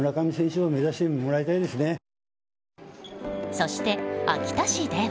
そして、秋田市では。